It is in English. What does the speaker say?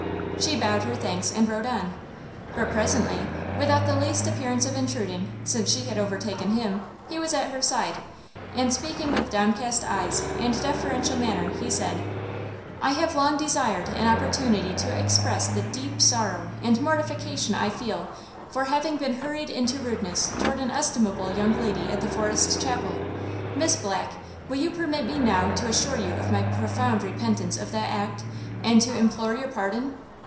She bowed her thanks and rode on; but presently, without the least appearance of intruding, since she had overtaken him, he was at her side and, speaking with downcast eyes and deferential manner, he said: "I have long desired an opportunity to express the deep sorrow and mortification I feel for having been hurried into rudeness toward an estimable young lady at the Forest Chapel. Miss Black, will you permit me now to assure you of my profound repentance of that act and to implore your pardon?"